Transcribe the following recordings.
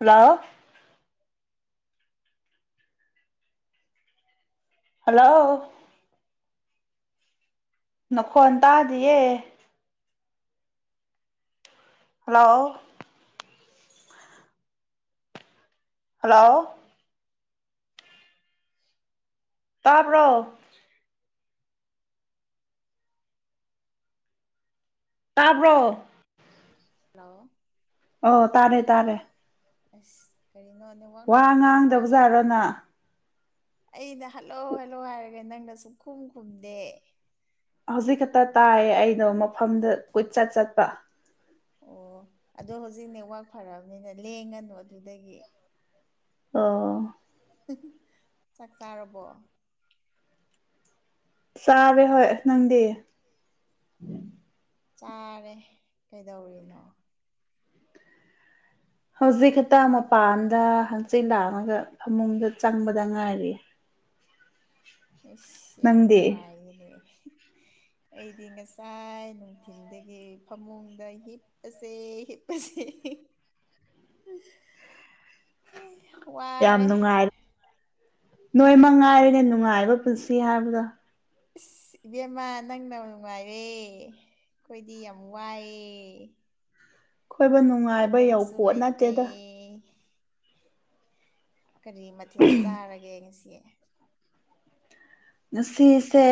hello hello ꯅꯈꯣꯟ ꯇꯥꯗꯤꯌꯦ hello hello ꯇꯥꯕ꯭ꯔꯣ ꯇꯥꯕ꯭ꯔꯣ ꯍꯜꯂꯣ ꯑꯣ ꯇꯥꯔꯦ ꯇꯥꯔꯦ ꯑꯁ ꯀꯔꯤꯅꯣ ꯅꯦꯠꯋꯥꯛ ꯋꯥ ꯅꯨꯡꯉꯥꯏꯇꯕ ꯃꯥꯜꯂꯦ ꯉꯥꯡꯗꯕꯖꯥꯠꯔꯣ ꯅꯪ ꯑꯩꯅ ꯍꯜꯂꯣ ꯍꯜꯂꯣ ꯍꯥꯏꯔꯒꯦ ꯅꯪꯅ ꯁꯨꯛ ꯈꯨꯝ ꯈꯨꯝꯗꯦ ꯍꯧꯖꯤꯛ ꯈꯛꯇ ꯇꯥꯏ ꯑꯩꯗꯣ ꯃꯐꯝꯗꯨ ꯀꯣꯢ ꯆꯠ ꯆꯠꯄ ꯑꯣ ꯑꯗꯣ ꯍꯧꯖꯤꯛ ꯅꯦꯠꯋꯥꯛ ꯐꯔꯕꯅꯤꯅ ꯂꯦꯡꯉꯅꯨ ꯑꯗꯨꯗꯒꯤ ꯑꯣ ꯆꯥꯛ ꯆꯥꯔꯕꯣ ꯆꯥꯔꯦ ꯍꯣꯏ ꯅꯪꯗꯤ ꯆꯥꯔꯦ ꯀꯩꯗꯧꯔꯤꯅꯣ ꯍꯧꯖꯤꯛ ꯈꯛꯇ ꯃꯄꯥꯟꯗ ꯍꯪꯆꯤꯠ ꯂꯥꯡꯉꯒ ꯐꯃꯨꯡꯗ ꯆꯪꯕꯗ ꯉꯥꯏꯔꯤ [inaudible] ꯏꯁ ꯌꯥꯝ ꯅꯪꯗꯤ ꯅꯨꯡꯉꯥꯏꯅꯦꯍꯦ [inaudible] ꯑꯩꯗꯤ ꯉꯁꯥꯏ ꯅꯨꯡꯊꯤꯟꯗꯒꯤ ꯐꯃꯨꯡꯗ ꯍꯤꯞꯄꯁꯦ ꯍꯤꯞꯄꯁꯦ [inaudible] [unintelligible] [inaudible] ꯌꯥꯝ ꯋꯥꯔꯦ ꯅꯨꯡꯉꯥꯏꯔꯦ ꯅꯣꯏ ꯃꯉꯥꯏꯔꯅꯦ ꯅꯨꯡꯉꯥꯏꯕ ꯄꯨꯟꯁꯤ ꯍꯥꯏꯕꯗꯣ ꯏꯁ ꯏꯕꯦꯝꯃ ꯅꯪꯅꯕꯨ ꯅꯨꯡꯉꯥꯢꯔꯦ ꯑꯩꯈꯣꯏꯗꯤ ꯌꯥꯝ ꯋꯥꯏꯑꯦ ꯑꯩꯈꯣꯏꯕꯨ ꯅꯨꯡꯉꯥꯏꯕ ꯇꯧꯐꯝꯁꯨ ꯌꯧꯄꯣꯠ ꯂꯩꯇꯦ ꯅꯠꯇꯦꯗ ꯀꯔꯤ ꯃꯊꯦꯜ ꯆꯥꯔꯒꯦ ꯉꯁꯤ ꯉꯁꯤꯁꯦ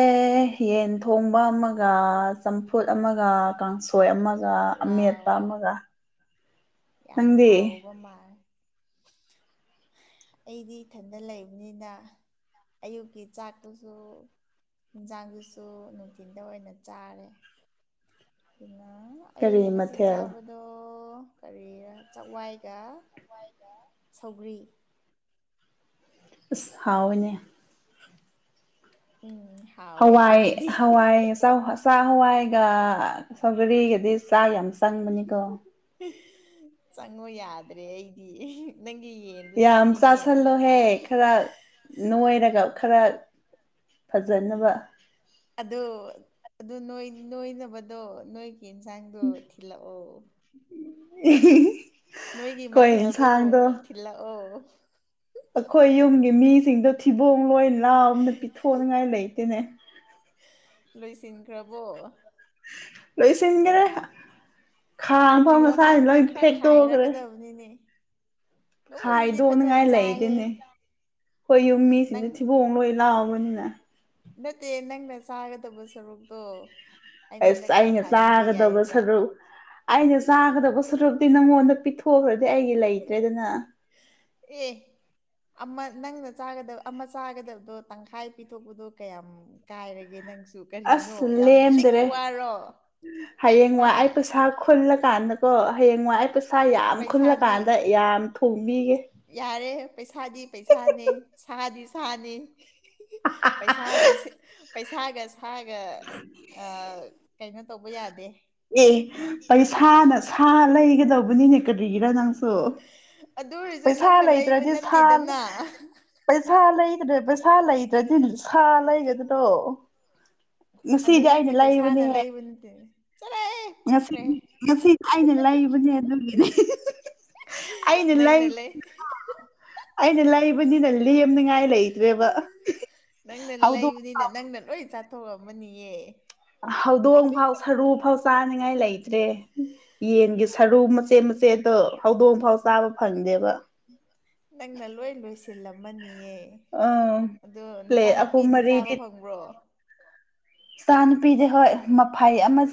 ꯌꯦꯟ ꯊꯣꯡ ꯕ ꯑꯃꯒ ꯆꯝꯐꯨꯠ ꯑꯃꯒ ꯀꯥꯡꯁꯣꯏ ꯑꯃꯒ ꯋꯥ ꯑꯃꯦꯠꯄ ꯋꯥ ꯑꯃꯒ ꯌꯥꯝ ꯅꯪꯗꯤ ꯍꯥꯎꯕ ꯃꯥꯜꯂꯦ [inaudible] ꯑꯩꯗꯤ ꯏꯊꯟꯇ ꯂꯩꯕꯅꯤꯅ ꯑꯌꯨꯛꯀꯤ ꯆꯥꯛꯇꯨꯁꯨ ꯏꯟꯁꯥꯡꯗꯨꯁꯨ ꯅꯨꯡꯊꯤꯟꯗ ꯑꯣꯏꯅ ꯆꯥꯔꯦ ꯑꯗꯨꯅ ꯑꯩꯅ ꯀꯔꯤ ꯉꯁꯤ ꯃꯊꯦꯜ ꯆꯥꯕꯗꯣ ꯀꯔꯤꯔ ꯆꯥꯛꯋꯥꯏꯒ ꯋꯥꯏꯒ ꯁꯧꯒ꯭ꯔꯤ ꯑꯁ ꯍꯥꯎꯏꯅꯦ ꯎꯝ ꯍꯥꯎꯋꯦ ꯍꯋꯥꯏ ꯑꯩꯈꯣꯏꯒꯤꯗꯤ ꯍꯋꯥꯏ ꯆ ꯆ ꯍꯋꯥꯏ ꯑꯩꯒ ꯁꯧꯒꯔꯤꯒꯗꯤ ꯆꯥ ꯌꯥꯝ ꯆꯪꯕꯅꯤꯀꯣ ꯆꯪꯉꯣ ꯌꯥꯗ꯭ꯔꯦ ꯑꯩꯗꯤ ꯅꯪ ꯌꯥꯝ ꯆꯥꯁꯜꯂꯣꯍꯦ ꯈꯔ ꯅꯣꯏꯔꯒ ꯈꯔ ꯐꯖꯅꯕ ꯑꯗꯨ ꯑꯗꯨ ꯅꯣꯏꯅꯕꯗꯣ ꯅꯣꯏ ꯀꯦꯟꯁꯥꯡꯗꯣ ꯊꯤꯂꯛꯑꯣ ꯎ ꯅꯣꯏꯒꯤ ꯃꯊꯦꯜꯗꯣ ꯊꯤꯜꯂꯑꯣ ꯑꯩꯈꯣꯏ ꯌꯨꯝꯒꯤ ꯃꯤꯁꯤꯡꯗꯣ ꯊꯤꯕꯣꯡ ꯂꯣꯏ ꯂꯥꯎꯅ ꯄꯤꯊꯣꯛꯅꯤꯉꯥꯏ ꯂꯩꯇꯦꯅꯦ ꯂꯣꯏꯁꯤꯟꯈ꯭ꯔꯕꯣ ꯂꯣꯢꯁꯤꯒꯔꯦ ꯆꯥꯗ꯭ꯔꯤꯉꯩ ꯃꯃꯥꯡꯗ ꯈꯔ ꯈꯥꯏꯔꯛꯀꯗꯕꯅꯤꯅꯦ ꯅꯣꯏꯁꯤꯗꯤ ꯐꯖꯅ ꯈꯥꯏꯗꯣꯛꯅꯤꯡꯉꯥꯏ ꯆꯥꯏꯍꯦ ꯂꯩꯗꯨꯅꯦ ꯍꯣꯏ ꯌꯨꯝ ꯃꯤꯁꯤꯡꯗ ꯅꯪ ꯊꯤꯕꯣꯡ ꯂꯣꯏ ꯂꯥꯎꯕꯅꯤꯅ ꯅꯠꯇꯦ ꯅꯪꯅ ꯆꯥꯒꯗꯕ ꯁꯔꯨꯛꯇꯣ ꯑꯩꯉꯣꯟꯗ ꯑꯁ ꯈꯔ ꯑꯩꯅ ꯈꯥꯏꯕꯤꯕ ꯆꯥꯒꯗꯕ ꯌꯥꯏꯗꯅ ꯁꯔꯨꯛ ꯑꯩꯅ ꯆꯥꯒꯗꯕ ꯁꯔꯨꯛ ꯑꯗꯨ ꯅꯪꯉꯣꯟꯗ ꯄꯤꯊꯣꯛꯈ꯭ꯔꯗꯤ ꯑꯩ ꯂꯩꯇ꯭ꯔꯦꯗꯅ ꯑꯦ ꯑꯃ ꯅꯪꯅꯥꯒ ꯑꯃ ꯆꯥꯒꯗꯕꯗꯣ ꯇꯪꯈꯥꯏ ꯄꯤꯊꯣꯛꯄꯗꯣ ꯀꯌꯥꯝ ꯀꯥꯏꯔꯒꯦ ꯅꯪ ꯑꯁ ꯂꯦꯝꯗ꯭ꯔꯦ ꯍꯥ ꯍꯌꯦꯡꯋꯥꯢ ꯑꯩ ꯄꯩꯁꯥ ꯈꯨꯜꯂꯀꯥꯟꯗ ꯀꯣ ꯍꯌꯦꯡꯋꯥ ꯑꯩ ꯄꯩꯁꯥ ꯌꯥꯝ ꯈꯨꯜꯂꯀꯥꯟꯗ ꯄꯩꯁꯥꯗꯤ ꯌꯥꯝ ꯊꯣꯡꯕꯤꯒꯦ ꯌꯥꯔꯦ ꯄꯩꯁꯥꯗꯤ ꯄꯩꯁꯥꯅꯤ ꯁꯥꯗꯤ ꯁꯥꯅꯤ ꯄꯩꯁꯥꯒꯁꯦ ꯄꯩꯁꯥꯒ ꯁꯥꯒ ꯀꯩꯅꯣ ꯇꯧꯕ ꯌꯥꯗꯦ ꯑꯦ ꯄꯩꯁꯥꯅ ꯁꯥ ꯂꯩꯒꯗꯧꯕꯅꯤꯅꯦ ꯀꯔꯤꯒꯤꯔ ꯅꯪ ꯑꯣ ꯑꯗꯨ ꯑꯣꯏꯔꯁꯨ ꯄꯩꯁꯥ ꯅꯪꯅ ꯂꯩꯕ ꯂꯩꯇ꯭ꯔꯗꯤ ꯅꯠꯇꯦꯗꯅ ꯄꯩꯁꯥ ꯗ꯭ꯔ ꯄꯩꯁꯥ ꯂꯩꯇ꯭ꯔꯗꯤ ꯁꯥ ꯂꯩꯒꯗ꯭ꯔꯣ ꯑꯗꯨ ꯉꯁꯤꯗꯤ ꯑꯩꯅ ꯅꯪꯒꯤ ꯄꯩꯁꯥꯅ ꯂꯩꯕꯅꯦꯍꯦ ꯂꯩꯕ ꯅꯠꯇꯦꯅꯦ ꯆꯠꯂꯍꯦ ꯉꯁꯤ ꯄꯛꯇ꯭ꯔꯦ ꯉꯁꯤ ꯑꯩꯅ ꯂꯩꯕꯅꯦ ꯑꯗꯨꯒꯤꯅꯦ ꯑꯩꯅꯦ ꯂꯥꯏ ꯅꯪꯅ ꯂꯩ ꯑꯩꯅ ꯂꯥꯏꯕꯅꯤꯅ ꯂꯩ ꯂꯦꯝꯅꯤꯉꯥꯏ ꯂꯩꯇ꯭ꯔꯦꯕ ꯅꯪꯅ ꯍꯧꯗꯣꯡ ꯂꯩꯕꯅꯤꯅ ꯐꯥꯎ ꯅꯪꯅ ꯂꯣꯏ ꯆꯥꯊꯣꯛꯑꯃꯅꯤꯌꯦ ꯍꯧꯗꯣꯡ ꯐꯥꯎ ꯁꯔꯨ ꯐꯥꯎ ꯆꯥꯅꯤꯡꯉꯥꯏ ꯂꯩꯇ꯭ꯔꯦ ꯌꯦꯟꯒꯤ ꯁꯔꯨ ꯃꯆꯦꯠ ꯃꯆꯦꯠꯗꯣ ꯍꯧꯗꯣꯡ ꯐꯥꯎ ꯆꯥꯕ ꯐꯪꯗꯦꯕ ꯁꯤꯜ ꯑꯃꯅꯤꯅꯤꯌꯦ ꯑꯥ ꯑꯗꯣ ꯄ꯭ꯂꯦꯠ ꯑꯍꯨꯝ ꯅꯆꯥꯅꯨꯄꯤꯗꯤ ꯆꯥꯕ ꯃꯔꯤꯗꯤ ꯐꯪꯕ꯭ꯔꯣ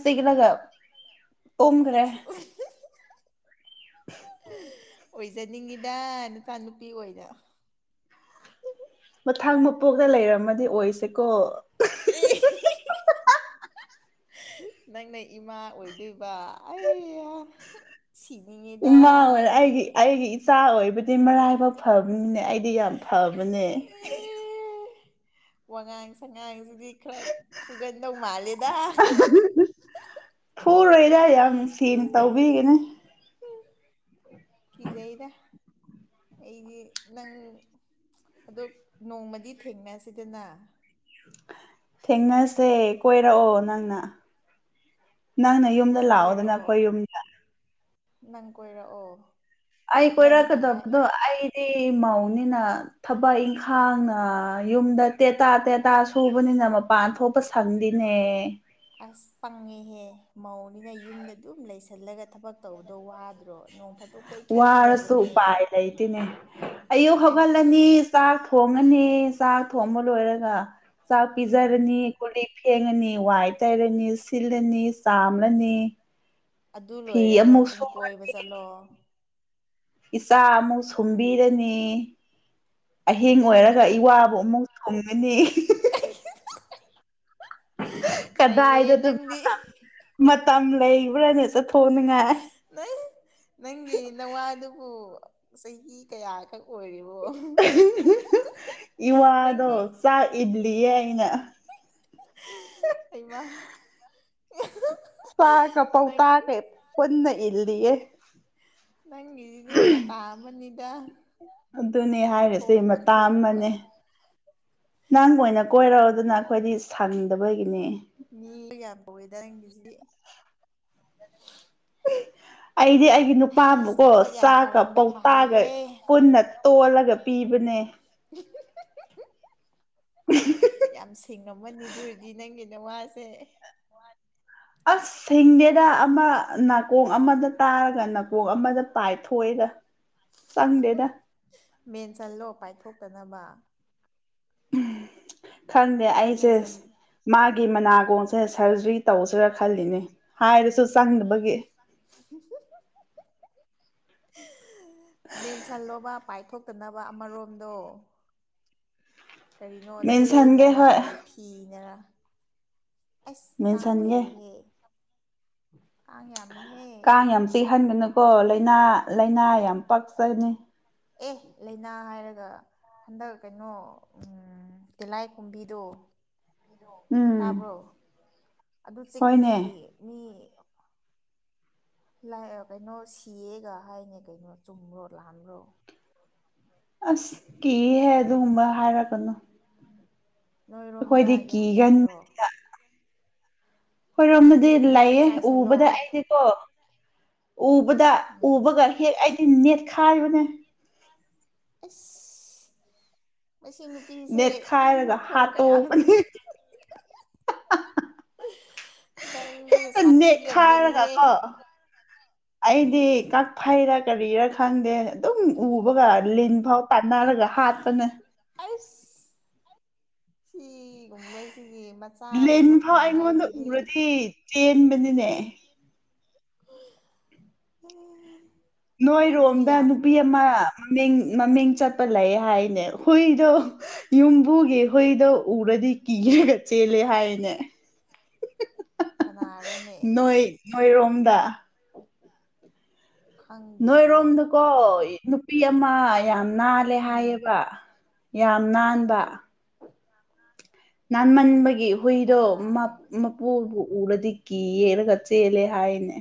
ꯁꯤꯒꯂꯒ ꯎꯈ꯭ꯔꯦ ꯁꯦꯁ ꯑꯣꯏꯖꯅꯤꯡꯉꯤꯗ ꯅꯆꯥꯅꯨꯄꯤ ꯑꯣꯏ ꯑꯣꯏꯅ ꯀꯊꯥꯡ ꯃꯄꯣꯛꯇ ꯂꯩꯔꯝꯃꯗꯤ ꯑꯣꯏꯁꯦꯀꯣ ꯑꯦ ꯅꯪꯅ ꯏꯃꯥ ꯑꯣꯏꯗꯣꯏꯕ ꯑꯩ ꯁꯤꯅꯤꯡꯉꯤꯗ ꯏꯃꯥ ꯑꯣꯏꯅ ꯑꯩꯗꯤ ꯑꯩꯒꯤ ꯑꯩꯒꯤ ꯏꯆꯥ ꯑꯣꯏꯕꯗꯤ ꯁꯤ ꯃꯔꯥꯏꯐꯥꯎ ꯐꯕꯅꯤꯅꯦ ꯑꯩꯗꯤ ꯌꯥꯝ ꯐꯕꯅꯦ ꯑꯦ ꯋꯥꯉꯥꯡ ꯁꯉꯥꯡꯁꯤ ꯈꯔ ꯐꯨꯒꯟꯗꯧ ꯃꯥꯜꯂꯦꯗ ꯍꯔꯣꯏꯗ ꯌꯥꯝ ꯁꯦꯡꯅ ꯇꯧꯕꯤꯒꯦꯅꯦ ꯀꯤꯖꯩꯔ ꯑꯩꯗꯤ ꯅꯪ ꯑꯗꯣ ꯅꯣꯡꯃꯗꯤ ꯊꯦꯡꯅꯁꯤꯗꯅ ꯊꯦꯡꯅꯁꯦ ꯀꯣꯏꯔꯛꯑꯣ ꯅꯪꯅ ꯅꯪꯅ ꯌꯨꯝꯗ ꯅꯪ ꯂꯥꯛꯑꯣꯗꯅ ꯀꯣꯏꯔꯛꯑꯣ ꯑꯩꯈꯣꯏ ꯌꯨꯝꯗ ꯅꯪ ꯀꯣꯏꯔꯛꯑꯣ ꯑꯩ ꯏꯕꯥꯅꯤ ꯇꯪꯈꯥꯏ ꯀꯣꯏꯔꯛꯀꯗꯕꯗꯣ ꯑꯩꯗꯤ ꯃꯧꯅꯤꯅ ꯊꯕꯛ ꯏꯪꯈꯥꯡ ꯌꯨꯝꯗ ꯇꯦꯇꯥ ꯇꯦꯇꯥ ꯁꯨꯕꯅꯤꯅ ꯃꯄꯥꯟ ꯊꯣꯛꯄ ꯈꯪꯗꯤꯅꯦ ꯑꯁ ꯄꯪꯉꯦꯍꯦ ꯃꯧꯅꯤꯅ ꯌꯨꯝꯗ ꯑꯗꯨꯝ ꯂꯩꯁꯜꯂꯒ ꯊꯕꯛ ꯇꯧꯕꯗꯣ ꯋꯥꯗ ꯅꯣꯡ ꯐ ꯋꯥꯔꯁꯨ ꯎꯄꯥꯏ ꯂꯩꯇꯣꯏꯅꯦ ꯑꯌꯨꯛ ꯍꯧꯒꯠꯂꯅꯤ ꯑꯁ ꯆꯥꯛ ꯊꯣꯡꯉꯅꯤ ꯆꯥꯛ ꯊꯣꯡꯕ ꯂꯣꯏꯔꯒ ꯆꯥꯛ ꯎꯝ ꯄꯤꯖꯔꯅꯤ ꯀꯨꯂꯤ ꯐꯦꯡꯉꯅꯤ ꯋꯥꯏ ꯇꯩꯔꯅꯤ ꯁꯤꯜꯂꯅꯤ ꯆꯥꯝꯂꯅꯤ ꯑꯗꯨ ꯐꯤ ꯂꯣꯏꯔꯒ ꯑꯃꯨꯛ ꯑꯗꯨꯝ ꯁꯨꯔꯅꯤ ꯀꯣꯏꯕ ꯆꯠꯂꯣ ꯏꯆꯥ ꯑꯃꯨꯛ ꯁꯨꯝꯕꯤꯔꯅꯤ ꯑꯍꯤꯡ ꯑꯗꯨ ꯅꯨꯃꯤꯠ ꯑꯣꯏꯔꯒ ꯏ ꯆꯨꯞ ꯋꯥꯕꯨ ꯑꯃꯨꯛ ꯊꯣꯡꯒꯅꯤ ꯅꯩꯌꯦ ꯀꯗꯥꯏꯗ ꯅꯪꯗꯤ ꯃꯇꯝ ꯃꯇꯝ ꯂꯩꯕ꯭ꯔꯅꯦ ꯆ ꯅꯪ ꯅꯪꯒꯤ ꯅꯋꯥꯗꯨꯕꯨ ꯆꯍꯤ ꯀꯌꯥꯈꯛ ꯑꯣꯏꯔꯤꯕꯣ ꯏꯋꯥꯗꯣ ꯅꯪꯒꯤ ꯆ ꯏ ꯐꯏꯅ ꯑꯩꯃ ꯇꯀꯄꯥꯎ ꯇꯥ ꯀꯦ ꯐꯟꯅ ꯏꯜꯂꯤꯌꯦꯦ ꯅꯪꯗꯤ ꯃ ꯇ ꯍꯥꯝꯕꯅꯤꯗ ꯑꯗꯨꯅꯤ ꯍꯥꯏꯔꯤꯁꯦ ꯃꯇꯥ ꯑꯃꯅꯦ ꯅꯪꯕꯨ ꯑꯣꯏꯅ ꯀꯣꯏꯔꯛꯣ ꯑꯗꯨꯅ ꯑꯩꯈꯣꯏꯗꯤ ꯁꯪꯗꯕꯒꯤꯅꯦ ꯏꯂꯒ ꯌꯥꯝ ꯄꯋꯦꯗꯔꯒꯤꯁꯤ ꯑꯩꯗꯤ ꯑꯩꯒꯤ ꯅꯨꯄꯥꯕꯨꯀꯣ ꯊꯕꯛ ꯌꯥꯝ ꯆꯥꯛꯀ ꯐꯔꯝꯗꯧ ꯄꯧꯇꯥꯛꯒ ꯃꯥꯜꯂꯦꯍꯦ ꯀꯨꯟꯅ ꯇꯣꯜꯂꯒ ꯄꯤꯕꯅꯦ ꯌꯥꯝ ꯁꯤꯡꯉꯝꯃꯅꯤ ꯑꯗꯨ ꯑꯣꯏꯔꯗꯤ ꯅꯪꯒꯤ ꯅꯍꯦ ꯑꯁ ꯁꯤꯡꯗꯦꯗ ꯑꯃ ꯅꯥꯀꯣꯡ ꯑꯃꯗ ꯇꯥꯔꯒ ꯅꯥꯀꯣꯡ ꯑꯃꯗ ꯄꯥꯏꯊꯣꯛꯑꯦꯗ ꯆꯪꯗꯦꯗ ꯆꯜꯂꯣ ꯄꯥꯏꯊꯣꯛꯇꯅꯕ ꯈꯪꯗꯦ ꯅꯪ ꯑꯩꯁꯦ ꯃꯦꯟꯁꯟ ꯃꯥꯒꯤ ꯃꯅꯥꯛ ꯀꯣꯡꯁꯦ ꯁꯔꯖꯔꯤ ꯇꯧꯁꯤꯔꯥ ꯈꯜꯂꯤꯅꯦ ꯍꯥꯏꯔꯁꯨ ꯆꯪꯗꯅꯕꯒꯤ ꯃꯦꯟ ꯆꯥꯟ ꯂꯕ ꯄꯥꯏꯊꯣꯛ ꯐꯠꯇꯅꯕ ꯑꯃꯔꯣꯝꯗꯣ ꯀꯔꯤꯅꯣ ꯃꯦꯟꯁꯟꯒꯦ ꯆꯦꯅꯔ ꯍꯣꯏ ꯀꯔꯤ ꯐꯤꯅꯔ ꯑꯁ ꯀꯥꯡ ꯃꯦꯟꯁꯟꯒꯦ ꯂꯩꯍꯦ ꯀꯥꯡ ꯌꯥꯝ ꯆꯤꯍꯟꯒꯅꯨꯀꯣ ꯂꯥꯏꯅꯥ ꯂꯥꯏꯅꯥ ꯌꯥꯝ ꯄꯥꯛꯆꯅꯤ ꯑꯦ ꯂꯥꯏꯅꯥ ꯍꯥꯏꯔꯒ ꯑꯗꯨꯒ ꯍꯟꯗꯛ ꯀꯩꯅꯣ ꯇꯤꯂꯥꯏ ꯀꯨꯝꯕꯤꯗꯣ ꯎꯝ ꯇꯥꯕ꯭ꯔꯣ ꯑꯗꯨ ꯍꯣꯏꯅꯦ ꯆꯤꯛꯄꯗꯒꯤ ꯃꯤ ꯂꯥꯛ ꯀꯩꯅꯣ ꯁꯤꯌꯦꯒ ꯍꯥꯏꯅꯦ ꯀꯩꯅꯣ ꯆꯨꯝꯕ꯭ꯔꯣ ꯂꯥꯟꯕ꯭ꯔꯣ ꯑꯁꯀꯤꯍꯦ ꯑꯗꯨꯒꯨꯝꯕ ꯍꯥꯏꯔꯛꯄꯅꯨ ꯅꯣꯏꯔꯣꯝꯗ ꯌꯥꯝ ꯂꯩꯇ꯭ꯔꯣ ꯍꯣꯏꯔꯣꯝꯗꯗꯤ ꯍꯤꯗꯥꯛ ꯂꯩꯌꯦ ꯆꯥꯏꯁꯜꯂꯣ ꯎꯕꯗ ꯑꯩꯗꯤꯀꯣ ꯎꯕꯗ ꯎꯝ ꯎꯕꯒ ꯍꯦꯛ ꯑꯩꯗꯤ ꯅꯦꯠꯈꯥꯏꯔꯤꯕꯅꯦ [unintelligible] ꯃꯁꯤ ꯅꯨꯄꯤꯁꯦ ꯅꯦꯠꯈꯥꯏꯔꯒ ꯃꯊꯣꯡ ꯀꯌꯥ ꯍꯥꯠꯇꯣꯛꯄꯅꯦ [unintelligible] ꯅꯪꯁꯦ ꯅꯦꯠꯈꯥꯏꯔꯒ ꯁꯥꯊꯤꯔꯝꯒꯅꯤꯍꯦ ꯀꯣ ꯑꯩꯗꯤ ꯀꯛ ꯐꯩꯔꯛ ꯀꯔꯤꯔꯥ ꯈꯪꯗꯦ ꯑꯗꯨꯝ ꯎꯕꯒ ꯂꯤꯟ ꯐꯥꯎ ꯇꯥꯟꯅꯔꯒ ꯍꯥꯠꯄꯅꯦ ꯑ ꯐꯒꯨꯝꯕꯁꯤꯒꯤ ꯃꯆꯥ ꯑꯣꯏꯕ ꯐꯪꯕ ꯍꯥꯏꯕꯁꯤꯗꯤ ꯟꯕꯅꯤꯅꯦ ꯅꯪꯁꯦ ꯅꯣꯏꯔꯣꯝꯗ ꯌꯥꯝ ꯅꯨꯄꯤ ꯑꯃ ꯃꯃꯤꯡ ꯃꯃꯤꯡ ꯆꯠꯄ ꯂꯩ ꯍꯥꯏꯅꯦ ꯍꯨꯏꯗꯣ ꯌꯨꯝꯕꯨꯒꯤ ꯍꯨꯏꯗꯣ ꯎꯔꯗꯤ ꯀꯤꯒꯦ ꯑꯗꯨꯒ ꯆꯦꯜꯂꯤ ꯍꯥꯏꯅꯦ ꯀꯅꯥꯔꯣꯅꯦ ꯅꯣꯏ ꯅꯣꯏꯔꯣꯝꯗ ꯈꯪꯗꯦꯕꯣ ꯅꯣꯏꯔꯣꯝꯗꯀꯣ ꯅꯨꯄꯤ ꯑꯃ ꯌꯥꯝ ꯅꯥꯜꯂꯦ ꯎꯝ ꯍꯥꯏꯌꯦꯕ ꯌꯥꯝ ꯅꯥꯟꯕ ꯅꯥꯟꯃꯟꯕꯒꯤ ꯍꯨꯏꯗꯣ ꯀꯅꯥ ꯃꯄꯨꯕꯨ ꯎꯔꯗꯤ ꯀꯤ ꯌꯦꯔꯒ ꯆꯂꯦ ꯍꯥꯏꯅꯦ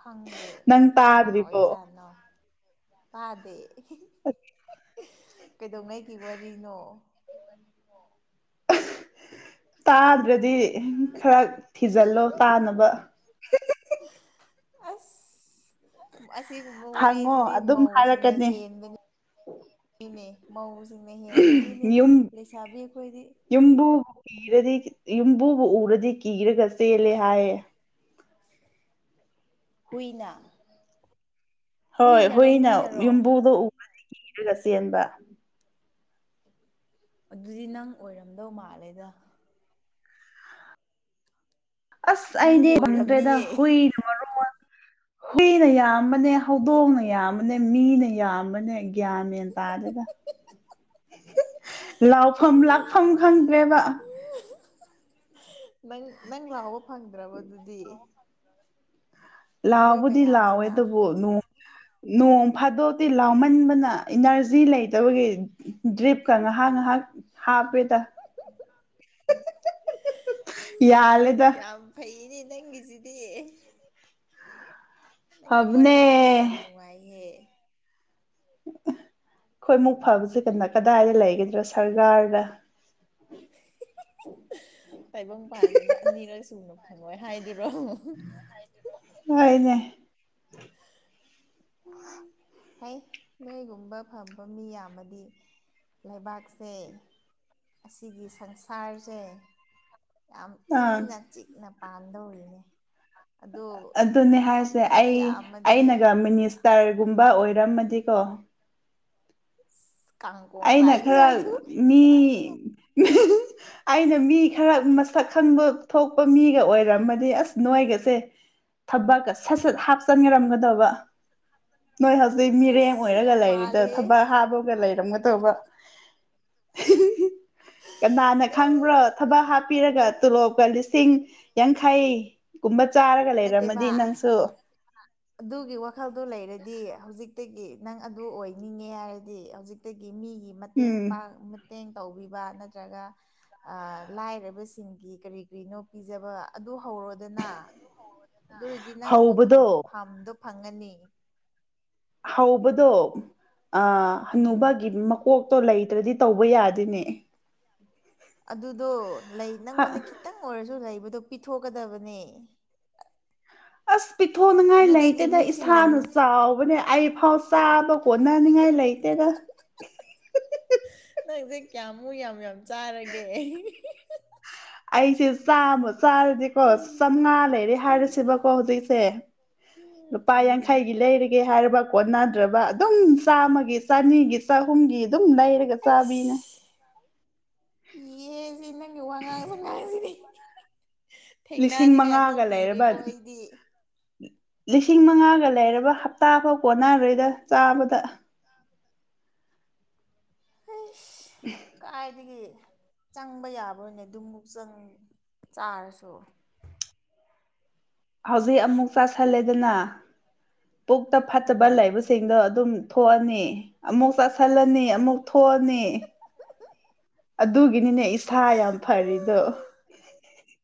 ꯈꯪꯗꯦ ꯅꯪ ꯀꯅꯥ ꯇꯥꯗ꯭ꯔꯤꯕꯣ ꯑꯣꯏꯖꯥꯠꯅꯣ ꯄꯥꯗꯦ ꯑ ꯀꯩꯗꯧꯉꯩꯒꯤ ꯋꯥꯔꯤꯅꯣ ꯇꯥꯗ꯭ꯔꯗꯤ ꯈꯔ ꯊꯤꯖꯤꯜꯂꯣ ꯇꯥꯅꯕ ꯑꯁ ꯑꯁꯤꯒꯨꯝꯕ ꯍꯪꯉꯣ ꯋꯥꯔꯤꯁꯤꯗꯤ ꯑꯗꯨꯝ ꯃꯧꯁꯤꯡꯅ ꯍꯥꯏꯔꯛꯀꯅꯤ ꯍꯦꯟꯕꯅꯤꯅꯦ ꯃꯧꯁꯤꯡꯅ ꯍꯦꯟꯕꯅꯤꯅꯦ ꯌꯨꯝ ꯂꯩꯁꯥꯕꯤ ꯑꯩꯈꯣꯏꯗꯤ ꯌꯨꯝꯕꯨꯕꯨ ꯀꯤꯔꯗꯤ ꯌꯨꯝꯕꯨꯕꯨ ꯎꯔꯗꯤ ꯀꯤꯔꯒ ꯆꯦꯜꯂꯦ ꯍꯥꯏꯌꯦ ꯍꯅꯥ ꯍꯣꯏ ꯍꯨꯏꯅ ꯌꯨꯝꯕꯨꯗꯣ ꯎꯕꯗꯤ ꯀꯤꯔꯒ ꯆꯦꯟꯕ ꯑꯗꯨꯗꯤ ꯅꯪ ꯑꯣꯏꯔꯝꯗꯧ ꯃꯥꯜꯂꯦꯗ ꯑꯁ ꯅꯪꯕꯨ ꯑꯩꯗꯦꯝꯗꯦꯗ ꯑꯣꯏꯔꯝꯅꯤꯌꯦ ꯍꯨꯏ ꯔꯨꯔꯨ ꯍꯅ ꯌꯥꯝꯕꯅꯦ ꯍꯧꯗꯣꯡꯅ ꯌꯥꯝꯕꯅꯦ ꯃꯤꯅ ꯌꯥꯝꯕꯅꯦ ꯒ꯭ꯌꯥꯟ ꯃꯦꯟ ꯇꯥꯗꯒ ꯂꯥꯎꯐꯝ ꯂꯥꯛꯐꯝ ꯈꯪꯗ꯭ꯔꯦꯕ ꯅꯪ ꯅꯪ ꯂꯥꯎꯕ ꯐꯪꯗ꯭ꯔꯕ ꯑꯗꯨꯗꯤ ꯃꯣꯏ ꯂꯥꯎꯕꯨꯗꯤ ꯂꯥꯎꯋꯦ ꯃꯌꯥꯝꯁꯤꯅ ꯑꯗꯨꯕꯨꯣꯡ ꯅꯣꯡ ꯐꯥꯗꯣꯛꯇꯤ ꯂꯥꯎꯃꯟꯕꯅ ꯏꯅꯔꯖꯤ ꯂꯩꯇꯕꯒꯤ ꯗ꯭ꯔꯤꯞꯀ ꯉꯥꯏꯍꯥꯛ ꯉꯥꯏꯍꯥꯛ ꯍꯥꯄꯦ ꯇ ꯌꯥꯂꯦꯗ ꯌꯥꯝ ꯐꯩꯅꯦ ꯅꯪꯒꯤꯁꯤꯗꯤ ꯅꯪꯒꯤ ꯐꯕꯅꯦ ꯋꯥꯔꯤꯁꯤꯗꯤ ꯌꯥꯝ ꯅꯨꯡꯉꯥꯏꯍꯦ ꯑꯩꯈꯣꯏ ꯃꯨꯛ ꯐꯕꯕꯁꯤꯦ ꯀꯩꯅ ꯀꯗꯥꯏꯗ ꯂꯩꯒꯗ꯭ꯔꯣ ꯁꯔꯀꯥꯔꯗ ꯇꯥꯏꯕꯪꯄꯥꯟꯁꯤꯗ ꯑꯅꯤꯔꯛ ꯁꯨꯅ ꯐꯪꯉꯣꯏ ꯍꯥꯏꯗꯤ ꯭ꯔꯣ ꯍꫭꯏꯅꯦ ꯐꯩ ꯅꯣꯏꯒꯨꯝꯕ ꯐꯕ ꯃꯤ ꯌꯥꯝꯃꯗꯤ ꯂꯩꯕꯥꯛꯁꯦ ꯑꯁꯤꯒꯤ ꯁꯪꯁꯥꯔꯁꯦ ꯌꯥꯝ ꯑꯥ ꯏꯪꯅ ꯆꯤꯛꯅ ꯄꯥꯟꯗꯧꯔꯤꯅꯦ ꯑꯗꯣ ꯑꯗꯨꯅꯦ ꯍꯥꯏꯁꯦ ꯁꯥꯊꯤꯕ ꯑꯩ ꯌꯥꯝꯃꯗꯤ ꯑꯩꯅꯒ ꯃꯤꯅꯤꯁ ꯇꯔꯒꯨꯝꯕ ꯑꯣꯏ ꯔꯝꯃꯗꯤꯀꯣ [inaudible] ꯑꯩꯅ ꯆꯥꯏꯅꯤ ꯈꯔ ꯍꯥꯏꯗꯨ ꯃꯤ ꯑꯩꯅ ꯃꯤ ꯈꯔ ꯃꯁꯛ ꯈꯪꯕ ꯊꯣꯛꯄ ꯃꯤꯒ ꯑꯣꯏꯔꯝꯃꯗꯤ ꯑꯁ ꯅꯣꯏꯒꯁꯦ ꯊꯕꯛꯀ ꯁꯠ ꯁꯠ ꯍꯥꯞꯆꯟꯂꯝꯒꯗꯕ ꯅꯣꯏ ꯍꯧꯖꯤꯛ ꯃꯤꯔꯦꯝ ꯑꯩꯁ ꯑꯣꯏꯔꯒ ꯌꯥꯝ ꯂꯩꯔꯤꯗꫭ ꯃꯥꯜꯂꯦ ꯊꯕꯛ ꯍꯥꯞꯕꯒ ꯂꯩꯔꯝꯒ ꯗꯩꯕ [unintelligible] ꯀꯅꯥꯅ ꯈꯪꯕ꯭ꯔꯣ ꯊꯕꯛ ꯍꯥꯞꯄꯤꯔꯒ ꯑꯗꯣ ꯇꯣꯂꯣꯞꯀ ꯂꯤꯁꯤꯡ ꯌꯥꯡꯈꯩ ꯀꯨꯝꯕ ꯆꯥꯔꯒ ꯂꯩꯔꯝꯃꯗꯤ ꯅꯠꯇꯦꯕ ꯅꯪꯁꯨ ꯃꯈꯜꯗꯨ ꯂꯩꯔꯗꯤ ꯍꯧꯖꯤꯛꯇꯒꯤ ꯅꯪ ꯑꯗꯨ ꯑꯣꯏꯅꯤꯅ‌ꯦ ꯍꯥꯏꯔꯗꯤ ꯍꯧꯖꯤꯛꯇꯒꯤ ꯃꯤꯒꯤ ꯃꯇꯦꯡ ꯎꯝ ꯄꯡ ꯃꯇꯦꯡ ꯇꯧꯕꯤꯕ ꯅꯠꯇ꯭ꯔꯒ ꯑ ꯂꯥꯏꯔꯕꯁꯤꯡꯒꯤ ꯀꯔꯤ ꯀꯔꯤꯅꯣ ꯄꯤꯖꯕ ꯑꯗꯨ ꯍꯧꯔꯣꯗꯅ ꯑꯗꯨ ꯑꯣꯏꯔꯗꯤ ꯅꯪ ꯑꯗꯨ ꯍꯧꯕꯗꯣ ꯐꯝ ꯐꯥꯝꯗꫭ ꯐꯪꯉꯥꯅꯤ ꯍꯧꯕꯗꯣ ꯑ ꯎꯝ ꯍꯅꯨꯕꯒꯤ ꯃꯀꯣꯛ ꯇꯣ ꯂꯩꯇ꯭ꯔꯗꯤ ꯇꯧꯕ ꯌꯥꯗ‌ꯦꯅ‌ꯦ ꯑꯗꯨꯗꯣ ꯂꯩ ꯅꯪꯉꯣꯟꯗ ꯈꯤꯇꯪ ꯑꯣꯏꯔꯖꯨ ꯂꯩ ꯕꯗꯣ ꯄꯤꯊꯣꯛꯀꯗꯕꯅꯦ ꯑꯁ ꯄꯤꯊꯣꯛꯅꯤꯡꯉꯥꯏ ꯑꯗꯨꯗꯒꯤ ꯂꯩꯇꯦꯗ ꯃꯤꯁꯤꯡꯅ ꯏꯁꯥꯅ ꯆꯥꯎꯕꯅꯦ ꯑꯩ ꯐꯥꯎ ꯆꯥꯕ ꯀꯣꯟꯅꯅꯤꯡꯉꯥꯏ ꯂꯩꯇꯦꯗ [unintelligible] ꯀꯌꯥꯝꯃꯨ ꯌꯥꯝ ꯌꯥꯝ ꯆꯥꯔꯒꯦ ꯑꯍꯤ ꯍꯤ ꯍꯤ ꯑꯩꯁꯦ ꯆꯥꯝꯃ ꯆꯥꯔꯗꯤꯀꯣ ꯎꯝ ꯆꯥꯝꯃꯉꯥ ꯂꯩꯔꯦ ꯎꯝ ꯍꯥꯏꯔꯁꯦꯕꯀꯣ ꯍꯧꯖꯤꯛꯁꯦ ꯎꯝ ꯂꯨꯄꯥ ꯎꯝ ꯌꯥꯡꯈꯩꯒꯤ ꯂꯩꯔꯒꯦ ꯍꯥꯏꯔꯕ ꯀꯣꯟꯅꯗ꯭ꯔꯕ ꯑꯗꯨꯝ ꯆꯥꯝꯃꯒꯤ ꯆꯅꯤꯒꯤ ꯆꯍꯨꯝꯒꯤ ꯑꯗꯨꯝ ꯂꯩꯔꯒ ꯆꯥꯕꯤꯅꯦ ꯑꯩꯁ ꯀꯤꯌꯦ ꯁꯤ ꯅꯪꯒꯤ ꯋꯥ ꯉꯦꯡ ꯉꯡꯖꯤꯗꯤ ꯂꯤꯁꯤꯡ ꯊꯦꯡꯅꯅꯤꯡꯉꯥꯏ ꯐꯥꯎ ꯃꯉꯥꯒ ꯂꯩꯔꯕ ꯀꯤꯔꯦꯀꯣ ꯑꯩꯗꯤ ꯂꯤꯁꯤꯡ ꯃꯉꯥꯒ ꯂꯩꯔꯕ ꯍꯞꯇꯥꯐꯥꯎ ꯀꯣꯟꯅꯔꯣꯏꯗ ꯆꯥꯕꯗ ꯀꯥꯏꯗꯤꯒꯤ ꯆꯪꯕ ꯌꯥꯕꫭꯅꯦ ꯑꯗꯨꯃꯨꯛ ꯆꯪ ꯆꯥꯔꯁꯨ ꯍꯧꯖꯤꯛ ꯑꯃꯨꯛ ꯆꯥꯥꯁꯜꯂꯦꯗꯅ ꯄꯨꯛꯇ ꯐꯠꯇꯕ ꯎꯝ ꯂꯩꯕꯁꯤꯡꯗꯣ ꯑꯗꯨꯝ ꯊꯣꯛꯑꯅꯤ ꯑꯃꯨꯛ ꯆꯥꯁꯤꯜꯂꯅꯤ ꯑꯃꯨꯛ ꯊꯣꯛꯑꯅꯤ ꯑꯠ ꯑꯗꯨꯒꯤꯅꯤꯅꯦ ꯏꯁꯥ ꯌꯥꯝ ꯐꯔꯤꯗꯣ